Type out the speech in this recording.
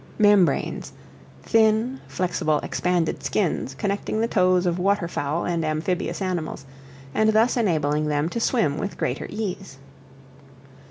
Membranes, thin, flexible, expanded skins, connecting the toes of water fowl and amphibious animals, and thus enabling them to swim with greater ease.